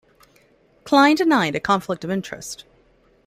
Klein denied a conflict of interest.